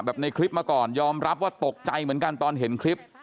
ในคลิปมาก่อนยอมรับว่าตกใจเหมือนกันตอนเห็นคลิป